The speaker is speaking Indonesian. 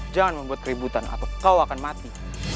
jangan membuat keributan atau kau akan mati